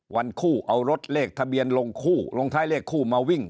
วันคู่เอารถเลขทะเบียนลงคู่ลงท้ายเลขคู่มาวิ่ง